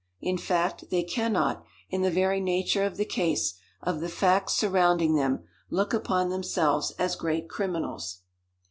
In fact they can not, in the very nature of the case, of the facts surrounding them, look upon themselves as great criminals.